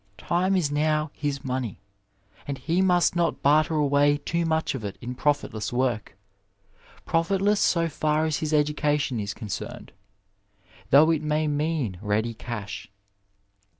Time is now his money, and he must not barter away too much of it in profitless Work — profitless so &r as his education is concerned, though it may mean ready cash.